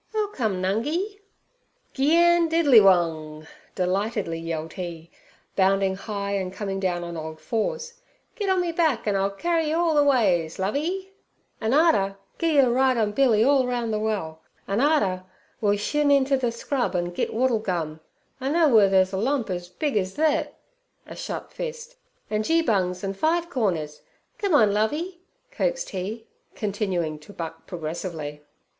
'I'll come, Nungi.' 'Giandidilliwong!' delightedly yelled he, bounding high and coming down on all fours. 'Git on me back, an' I'll carry yer all ther ways, Lovey' (joyfully) 'an' arter gi' yer a ride on Billy all round ther well. An' arter we'll shin inter ther scrub an' git wattle gum. I know wur ther's a lump ez big ez thet' (a shut fist), 'an' geebungs, an' five corners. Come on, Lovey' coaxed he, continuing to buck progressively.